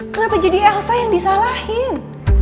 kenapa jadi elsa yang disalahin